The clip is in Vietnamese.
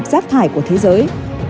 đây là một giáp thải của thế giới